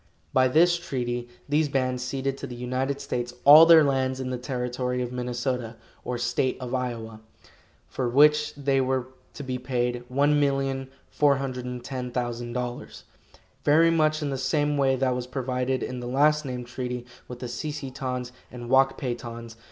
By this treaty these bands ceded to the United States all their lands in the Territory of Minnesota or State of Iowa, for which they were to be paid $1,410,000, very much in the same way that was provided in the last named treaty with the Si si tons and Wak pay tons.